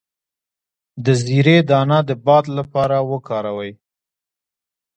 د زیرې دانه د باد لپاره وکاروئ